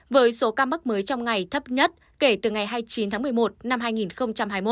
với số ca mắc mới trong ngày thấp nhất kể từ ngày hai mươi chín tháng một mươi một năm hai nghìn hai mươi một